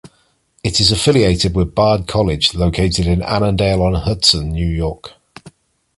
It is affiliated with Bard College, located in Annandale-on-Hudson, New York.